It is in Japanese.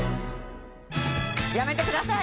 やめてください！